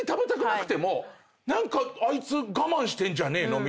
「あいつ我慢してんじゃねえの」みたいな。